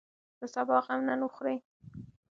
د سبا غم نن وخورئ.